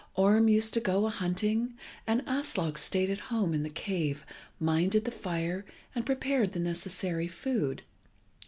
Orm used to go a hunting, and Aslog stayed at home in the cave, minded the fire, and prepared the necessary food.